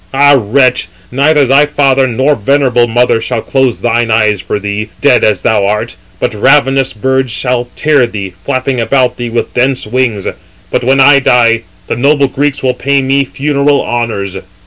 Ah! wretch, neither thy father nor venerable mother shall close thine eyes for thee, dead as thou art, but ravenous birds shall tear thee, flapping about thee with dense wings: but when I die, the noble Greeks will pay me funeral honours."